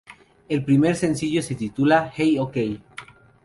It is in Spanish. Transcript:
El primer sencillo se titula "Hey Okay!".